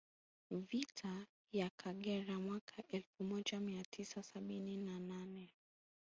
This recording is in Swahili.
Vita ya Kagera mwaka elfu moja mia tisa sabini na nane